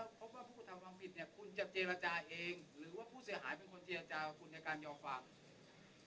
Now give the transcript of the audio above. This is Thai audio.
เพราะว่าผู้กระทำความผิดเนี่ยคุณจะเจรจาเองหรือว่าผู้เสียหายเป็นคนเจรจากับคุณในการยอมความ